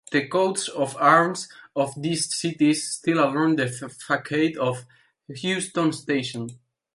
The coats of arms of these cities still adorn the facade of Heuston Station.